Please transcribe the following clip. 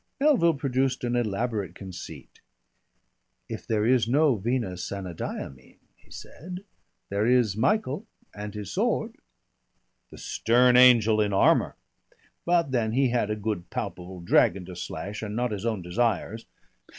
Melville produced an elaborate conceit. "If there is no Venus Anadyomene," he said, "there is Michael and his Sword." "The stern angel in armour! But then he had a good palpable dragon to slash and not his own desires.